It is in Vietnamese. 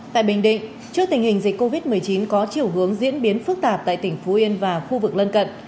tại bình định trước tình hình dịch covid một mươi chín có chiều hướng diễn biến phức tạp tại tỉnh phú yên và khu vực lân cận